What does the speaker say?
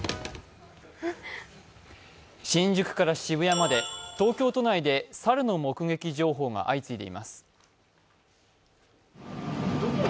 新宿から渋谷まで東京都内で猿の目撃情報が相次いでいます。